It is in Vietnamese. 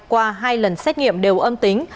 qua hai lần xét nghiệm đều âm tính